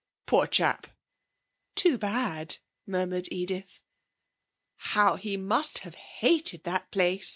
'Poor chap!' 'Too bad,' murmured Edith. 'How he must have hated that place!'